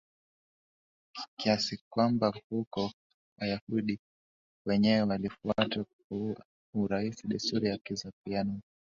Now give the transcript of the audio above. kiasi kwamba huko Wayahudi wenyewe walifuata kwa urahisi desturi za Kiyunani